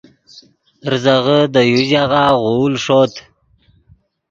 ریزغے دے یو ژاغہ غول ݰوت